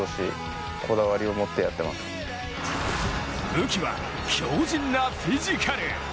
武器は、強じんなフィジカル。